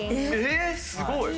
えすごい。